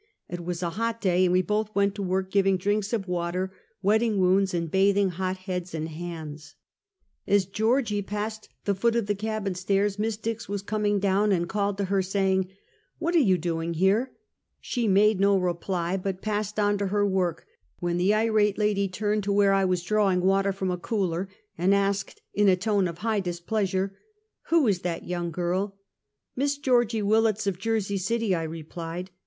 It was a hot day, and we both went to work giving drinks of water, wetting wounds, and bathing hot heads and hands. Go TO Feedericksbukg. 301 As Georgie passed the foot of the cabin stairs. Miss Dix was coming down, and called to her, saying: " What are you doing here? " She made no reply, but passed on to her work, when the irate lady turned to where I was drawing water from a cooler, and asked, in a tone of high displeas ure : "Who is that young girl?" " Miss Georgie Willets, of Jersey City," I replied.